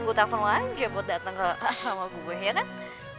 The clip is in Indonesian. gw takut aja buat dateng sama gue ya kan